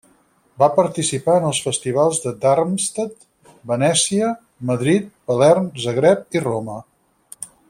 Va participar en els festivals de Darmstadt, Venècia, Madrid, Palerm, Zagreb i Roma.